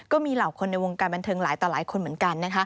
ก็มีเหล่าคนในวงการบันเทิงหลายต่อหลายคนเหมือนกันนะคะ